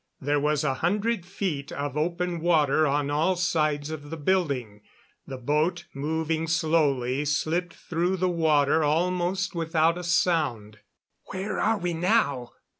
There was a hundred feet of open water on all sides of the building. The boat, moving slowly, slipped through the water almost without a sound. "Where are we now?"